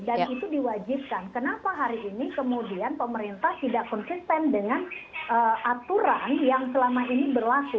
dan itu diwajibkan kenapa hari ini kemudian pemerintah tidak konsisten dengan aturan yang selama ini berlaku